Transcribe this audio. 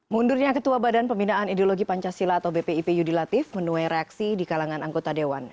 mundurnya ketua badan pembinaan ideologi pancasila atau bpip yudi latif menuai reaksi di kalangan anggota dewan